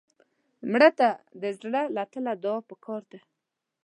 مړه ته د زړه له تله دعا پکار ده